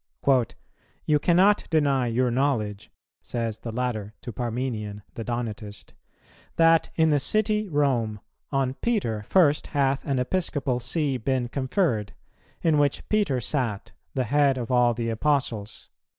"You cannot deny your knowledge," says the latter to Parmenian, the Donatist, "that, in the city Rome, on Peter first hath an Episcopal See been conferred, in which Peter sat, the head of all the Apostles